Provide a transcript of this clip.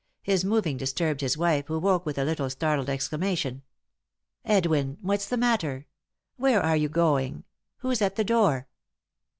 His moving disturbed his wife, who woke with a little startled exclamation. " Edwin I — what's the matter ? Where are you going ? Who's at the door